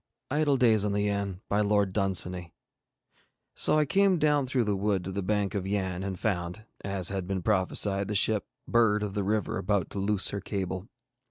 IDLE DAYS ON THE YANN So I came down through the wood to the bank of Yann and found, as had been prophesied, the ship Bird of the River about to loose her cable.